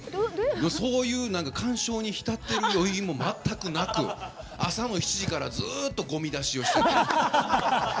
そういう感傷に浸ってる余韻も全くなく、朝の７時からずっと、ごみだしをして。